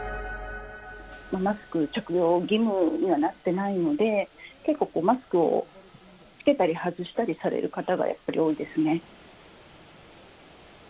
マスク着用義務にはなってないので、結構マスクを着けたり外したりされる方がやっぱり多いですね。